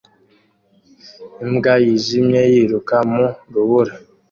Imbwa yijimye yiruka mu rubura